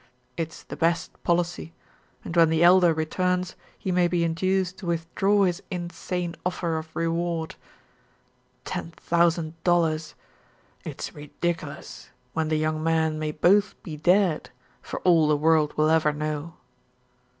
It's the best policy, and when the Elder returns, he may be induced to withdraw his insane offer of reward. Ten thousand dollars! It's ridiculous, when the young men may both be dead, for all the world will ever know."